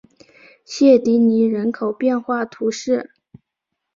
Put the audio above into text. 谢迪尼人口变化图示